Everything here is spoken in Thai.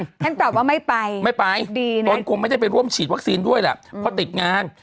ท่านตอบว่าไม่ไปไม่ไปดีนะตนคงไม่ได้ไปร่วมฉีดวัคซีนด้วยแหละเพราะติดงาน